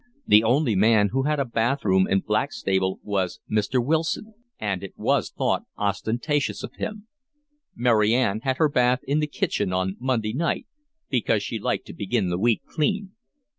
The only man who had a bathroom in Blackstable was Mr. Wilson, and it was thought ostentatious of him. Mary Ann had her bath in the kitchen on Monday night, because she liked to begin the week clean.